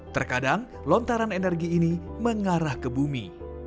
terkadang lontaran energi ini mengarah ke bumi